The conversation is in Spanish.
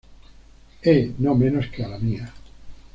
E., no menos que a la mía.